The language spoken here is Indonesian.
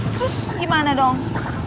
terus gimana dong